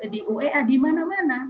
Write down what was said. di uea di mana mana